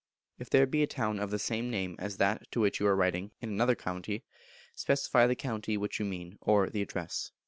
If there be a town of the same name as that to which you are writing existing in another county, specify the county which you mean or, the address.